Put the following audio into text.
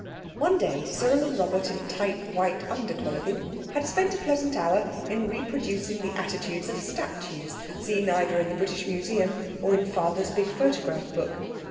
One day Cyril and Robert in tight white underclothing had spent a pleasant hour in reproducing the attitudes of statues seen either in the British Museum, or in Father's big photograph book.